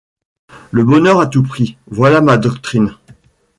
Le bonheur à tout prix, voilà ma doctrine.